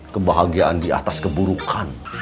kebahagiaan di atas keburukan